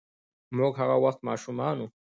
موږ هغه وخت ماشومان وو.